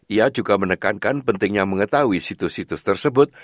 ia juga menekankan pentingnya mengetahui situs situs tersebut